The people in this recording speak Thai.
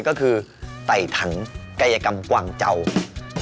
ก็คือใส่ถังกายกรรมกวางเจ้า